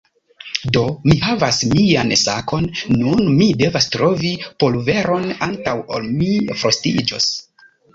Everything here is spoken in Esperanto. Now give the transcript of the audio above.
Do, mi havas mian sakon nun mi devas trovi puloveron antaŭ ol mi frostiĝos